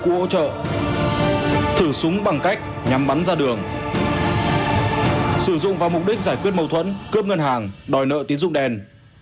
cướp ngân hàng đòi nợ tín dụng đèn